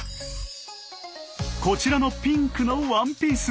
こちらのピンクのワンピース。